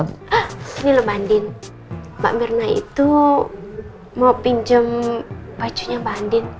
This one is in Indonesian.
ini mbak andin mbak mirna itu mau pinjem bajunya mbak andin